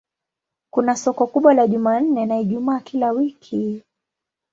Kuna soko kubwa la Jumanne na Ijumaa kila wiki.